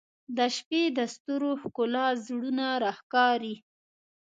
• د شپې د ستورو ښکلا زړونه راښکاري.